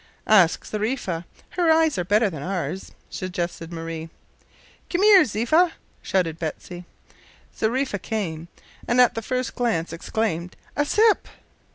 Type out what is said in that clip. "Ask Zariffa. Her eyes are better than ours," suggested Marie. "Kumeer, Ziffa!" shouted Betsy. Zariffa came, and, at the first glance, exclaimed. "A sip!"